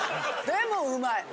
でもうまい。